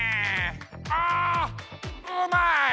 あうまい！